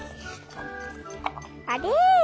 あれ？